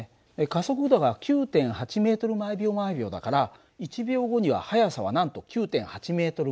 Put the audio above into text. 加速度が９．８ｍ／ｓだから１秒後には速さはなんと９．８ｍ／ｓ。